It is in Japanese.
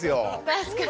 確かに。